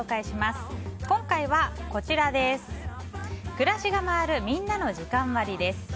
暮らしが回るみんなの時間割です。